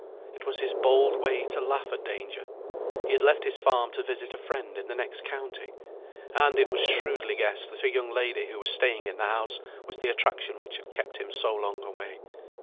It was his bold way to laugh at danger. He had left his farm to visit a friend in the next county; and it was shrewdly guessed that a young lady who was staying in the house was the attraction which had kept him so long away.